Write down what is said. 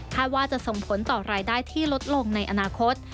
ว่าจะส่งผลต่อรายได้ที่ลดลงในอนาคต